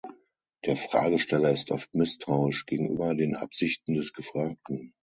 Der Fragesteller ist oft misstrauisch gegenüber den Absichten des Gefragten.